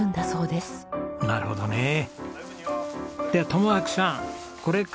そうですね。